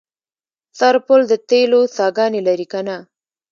سرپل د تیلو څاګانې لري که نه؟